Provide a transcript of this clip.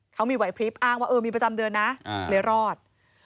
เขามีไหวพลิบอ้างว่าเออมีประจำเดือนนะเลยรอด